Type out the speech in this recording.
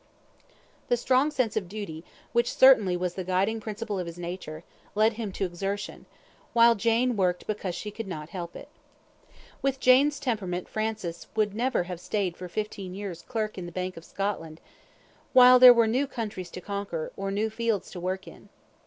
The strong sense of duty, which certainly was the guiding principle of his nature, led him to exertion; while Jane worked because she could not help it. With Jane's temperament Francis never would have stayed for fifteen years clerk in the Bank of Scotland, while there were new countries to conquer, or new fields to work in.